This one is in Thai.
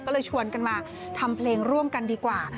ก็เลยชวนกันมาทำเพลงร่วมกันดีกว่า